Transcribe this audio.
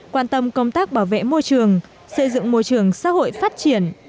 quan tâm công tác bảo vệ môi trường xây dựng môi trường xã hội phát triển